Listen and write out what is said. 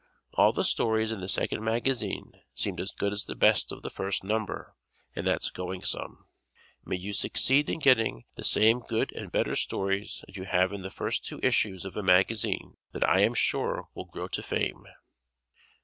All the stories in the second magazine seemed as good as the best of the first number, and that's going some. May you succeed in getting the same good and better stories as you have in the first two issues of a magazine that I am sure will grow to fame.